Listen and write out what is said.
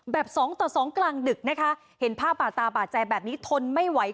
สองต่อสองกลางดึกนะคะเห็นภาพบาดตาบาดใจแบบนี้ทนไม่ไหว